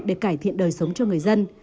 để cải thiện đời sống cho người dân